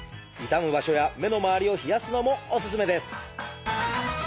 痛む場所や目の周りを冷やすのもおすすめです！